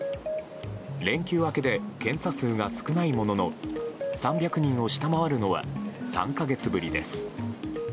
連休明けで検査数が少ないものの３００人を下回るのは３か月ぶりです。